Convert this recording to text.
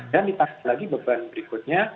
dan ditangkap lagi beban berikutnya